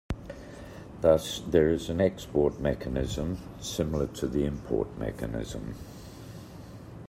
Thus there is an export mechanism similar to the import mechanism.